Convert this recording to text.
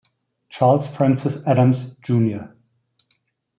Charles Francis Adams, Jr.